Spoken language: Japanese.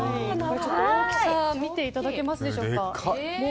大きさを見ていただけますでしょうか。